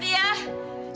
di tempoh peppers